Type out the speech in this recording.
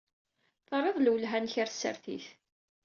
Terriḍ lwelha-nnek ɣer tsertit.